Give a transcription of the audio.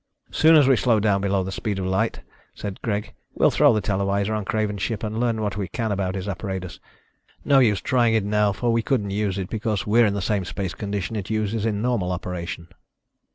"Soon as we slow down below the speed of light," said Greg, "we'll throw the televisor on Craven's ship and learn what we can about his apparatus. No use trying it now, for we couldn't use it, because we're in the same space condition it uses in normal operation."